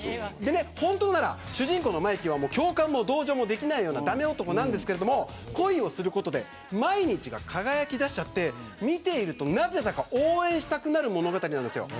本当なら主人公のマイキーは共感も同情もできないような駄目男なんですけど恋をすることで毎日が輝きだしちゃって見ていると、なぜだか応援したくなる物語なんですよ。